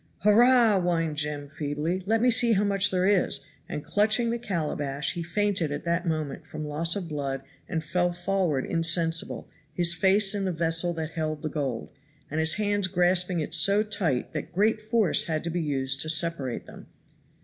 "Hurrah!" whined Jem feebly, "let me see how much there is," and clutching the calabash he fainted at that moment from loss of blood and fell forward insensible, his face in the vessel that held the gold, and his hands grasping it so tight that great force had to be used to separate them.